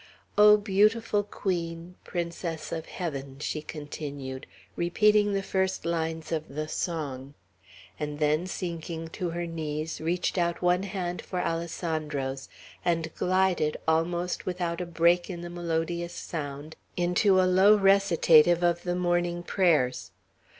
'O beautiful Queen, Princess of Heaven,'" she continued, repeating the first lines of the song; and then, sinking on her knees, reached out one hand for Alessandro's, and glided, almost without a break in the melodious sound, into a low recitative of the morning prayers.